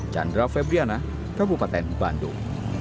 chandra febriana kabupaten bandung